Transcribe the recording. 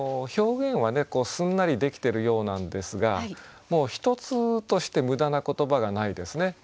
表現はねすんなりできてるようなんですが一つとして無駄な言葉がないですね。